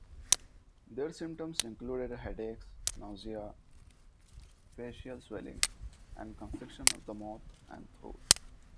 Their symptoms included headaches, nausea, facial swelling, and constriction of the mouth and throat.